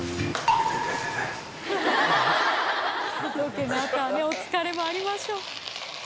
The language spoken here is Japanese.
ロケの後はねお疲れもありましょう。